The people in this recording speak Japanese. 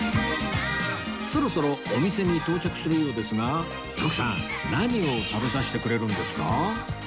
そろそろお店に到着するようですが徳さん何を食べさせてくれるんですか？